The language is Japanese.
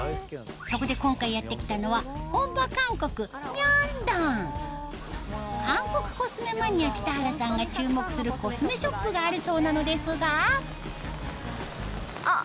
そこで今回やって来たのは本場韓国明洞韓国コスメマニア北原さんが注目するコスメショップがあるそうなのですがあっ！